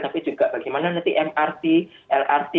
tapi juga bagaimana nanti mrt lrt